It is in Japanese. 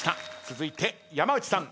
続いて山内さん